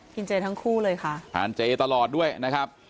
เจทั้งคู่เลยค่ะทานเจตลอดด้วยนะครับ